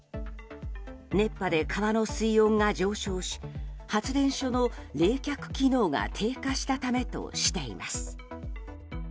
熱波で川の水温が上昇し発電所の冷却機能が低下したためとしています。